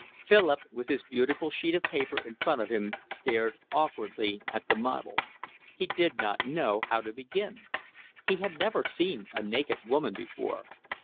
Philip, with his beautiful sheet of paper in front of him, stared awkwardly at the model. He did not know how to begin. He had never seen a naked woman before.